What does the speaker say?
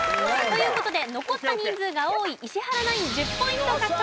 という事で残った人数が多い石原ナイン１０ポイント獲得です。